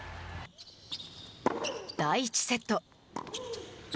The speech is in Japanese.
第１セット。